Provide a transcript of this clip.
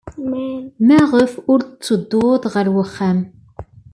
Maɣef ur tettedduḍ ɣer wexxam?